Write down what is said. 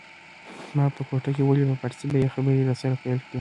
ما به په کوټه کي ولید په پارسي به یې خبري راسره پیل کړې